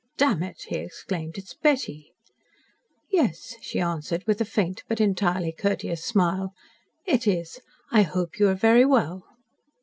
"Damn it!" he exclaimed; "it is Betty." "Yes," she answered, with a faint, but entirely courteous, smile. "It is. I hope you are very well."